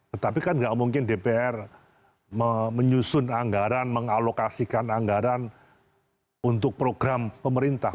tetapi kan nggak mungkin dpr menyusun anggaran mengalokasikan anggaran untuk program pemerintah